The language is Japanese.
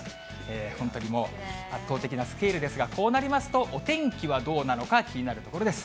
本当にもう、圧倒的なスケールですが、こうなりますと、おてんきはどうなのか気になるところです。